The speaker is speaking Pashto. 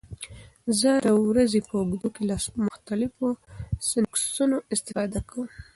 زه د ورځې په اوږدو کې له مختلفو سنکسونو استفاده کوم.